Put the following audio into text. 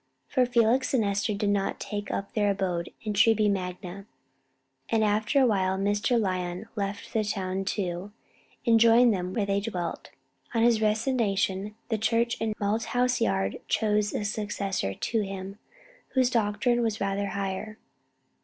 For Felix and Esther did not take up their abode in Treby Magna; and after a while Mr. Lyon left the town too, and joined them where they dwelt. On his resignation the church in Malthouse Yard chose a successor to him whose doctrine was rather higher.